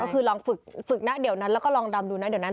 ก็คือลองฝึกนะเดี๋ยวนั้นแล้วก็ลองดำดูนะเดี๋ยวนั้น